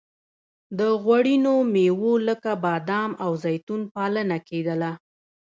د غوړینو میوو لکه بادام او زیتون پالنه کیدله.